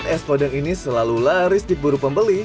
es bodeng ini selalu laris di buru pembeli